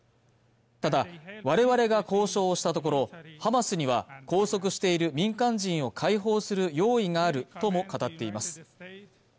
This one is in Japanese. ただ我々が交渉したところハマスには拘束している民間人を解放する用意があるとも語っています